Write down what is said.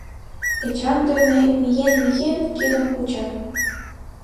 Эчан дене, миен-миен, кидым кучат.